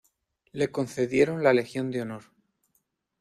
Le concedieron la Legión de honor.